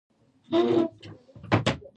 وګړي د افغانستان د صنعت لپاره مواد برابروي.